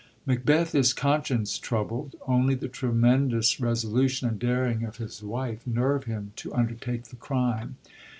Macbeth is conscience troubled ; only the tremendous resolution and daring of his wife nerve him to undertake the crime.